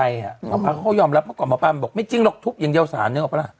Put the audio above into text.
หมอป้าก็ยอมรับเพราะก่อนหมอป้ามันบอกไม่จริงหรอกทุกอย่างเยี่ยวสารเนี่ย